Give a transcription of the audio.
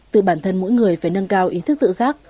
từ bản thân mỗi người phải nâng cao ý thức tự giác